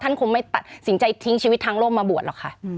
ท่านคงไม่สินใจทิ้งชีวิตทั้งโลกมาบวชหรอกค่ะ